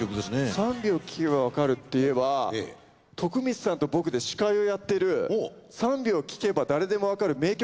３秒聴けばわかるっていえば徳光さんと僕で司会をやってる『３秒聴けば誰でもわかる名曲